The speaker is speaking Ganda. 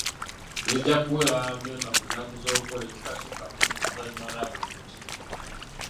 Zijja kuweebwa bammemba mu nnaku z'okukola ezitasukka kkumi oluvannyuma lwa buli lukiiko.